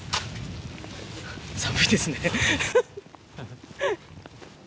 寒いですね。